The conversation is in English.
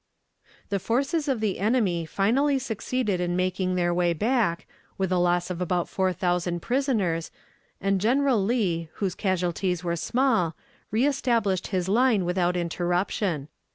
The forces of the enemy finally succeeded in making their way back, with a loss of about four thousand prisoners, and General Lee, whose casualties were small, reestablished his line without interruption.